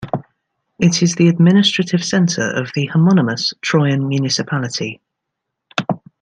It is the administrative centre of the homonymous Troyan Municipality.